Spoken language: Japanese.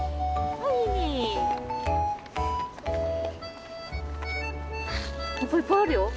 はっぱいっぱいあるよ。